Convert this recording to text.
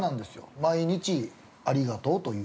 毎日「ありがとう」と言う。